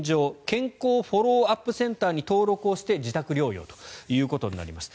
健康フォローアップセンターに登録をして自宅療養ということになります。